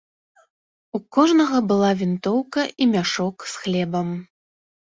У кожнага была вінтоўка і мяшок з хлебам.